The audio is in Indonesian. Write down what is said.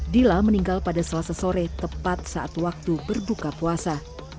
dila meninggal pada selasa sore tepat saat waktu berbuka puasa